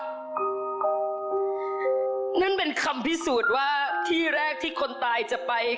ของท่านได้เสด็จเข้ามาอยู่ในความทรงจำของคน๖๗๐ล้านคนค่ะทุกท่าน